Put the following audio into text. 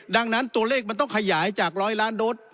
ดังนั้นตัวเลขมันต้องขยายจาก๑๐๐ล้านโดส